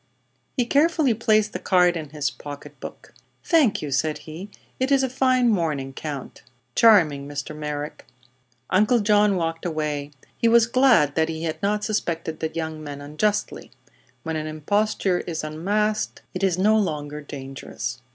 He carefully placed the card in his pocket book. "Thank you," said he. "It's a fine morning, Count." "Charming, Mr. Merrick." Uncle John walked away. He was glad that he had not suspected the young man unjustly. When an imposture is unmasked it is no longer dangerous.